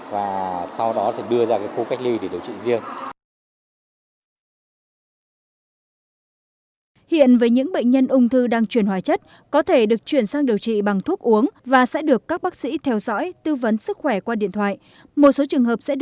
và sau đó sẽ đưa ra cái khu cách ly để điều trị riêng